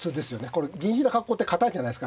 これ銀引いた格好って堅いじゃないですか。